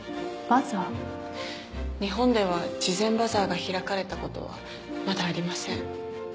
日本では慈善バザーが開かれた事はまだありません。